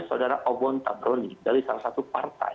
saudara obon tabroni dari salah satu partai